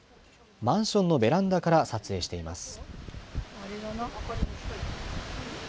マンションのベランダから撮影しています。